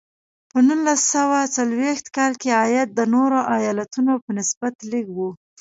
په نولس سوه څلویښت کال کې عاید د نورو ایالتونو په نسبت لږ و.